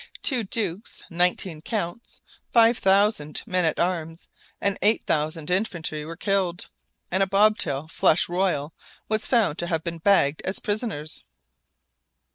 Two dukes, nineteen counts, five thousand men at arms, and eight thousand infantry were killed, and a bobtail flush royal was found to have been bagged as prisoners.